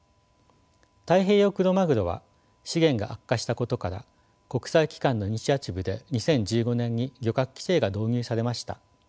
太平洋クロマグロは資源が悪化したことから国際機関のイニシアチブで２０１５年に漁獲規制が導入されました。